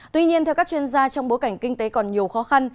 tuy nhiên theo các chuyên gia trong bối cảnh kinh tế còn nhiều khó khăn